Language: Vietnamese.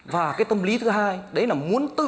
và cái tâm lý thứ hai đấy là muốn tự